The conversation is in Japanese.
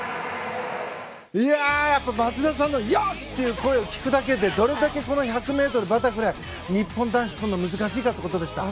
やっぱり松田さんのよし！という声を聞くだけでどれだけこの１００ｍバタフライ日本男子がとるのが難しいかってことでした。